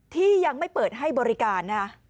ที่ยังไม่เปิดให้บริการนะ